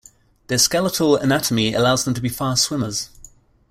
Their skeletal anatomy allows them to be fast swimmers.